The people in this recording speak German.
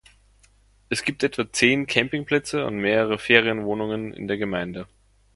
Es gibt etwa zehn Campingplätze und mehrere Ferienwohnungen in der Gemeinde.